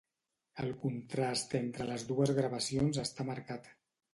El contrast entre les dues gravacions està marcat.